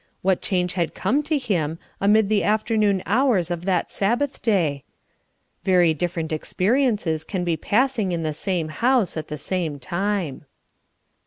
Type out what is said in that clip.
What change had come to him amid the afternoon hours of that Sabbath day? Very different experiences can be passing in the same house at the same time.